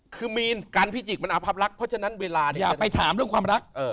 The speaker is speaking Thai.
คือการพิจิกมันอภัพรรคเพราะฉะนั้นเวลาอย่าไปถามเรื่องความรัก